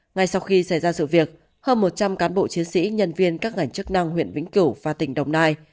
ngay sau khi xảy ra sự việc hơn một trăm linh cán bộ chiến sĩ nhân viên các ngành chức năng huyện vĩnh cửu và tỉnh đồng nai